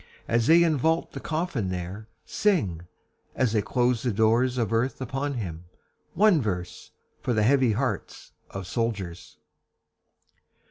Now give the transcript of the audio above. As they invault the coffin there, Sing as they close the doors of earth upon him one verse, For the heavy hearts of soldiers.